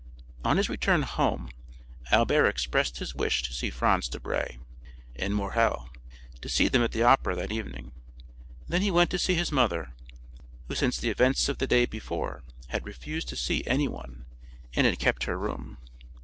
On his return home, Albert expressed his wish to Franz Debray, and Morrel, to see them at the Opera that evening. Then he went to see his mother, who since the events of the day before had refused to see anyone, and had kept her room.